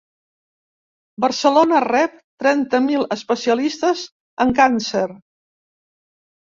Barcelona rep trenta mil especialistes en càncer